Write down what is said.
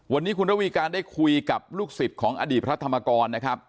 วันนี้คุณระวีการได้คุยกับลูกศิษย์ของอดีตพระธรรมกรนะครับ